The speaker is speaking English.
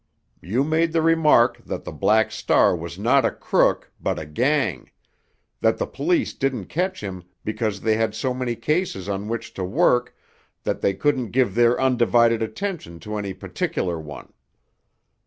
You made the remark that the Black Star was not a crook, but a gang—that the police didn't catch him because they had so many cases on which to work that they couldn't give their undivided attention to any particular one.